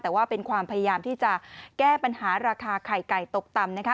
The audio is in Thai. แต่ว่าเป็นความพยายามที่จะแก้ปัญหาราคาไข่ไก่ตกต่ำนะคะ